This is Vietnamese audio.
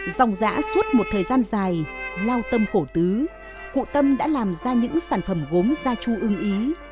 dòng giã suốt một thời gian dài lao tâm khổ tứ cụ tâm đã làm ra những sản phẩm gốm gia chu ưng ý